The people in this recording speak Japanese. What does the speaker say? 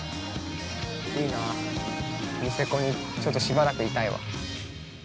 ◆いいなぁ、ニセコにちょっとしばらくいたいわ。